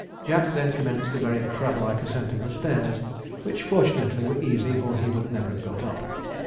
Jack then commenced a very crab like ascent of the stairs, which fortunately were easy, or he would never have got up.